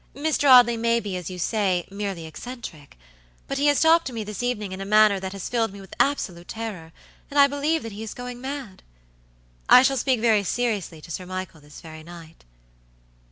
"Mr. Audley may be as you say, merely eccentric; but he has talked to me this evening in a manner that has filled me with absolute terror, and I believe that he is going mad. I shall speak very seriously to Sir Michael this very night."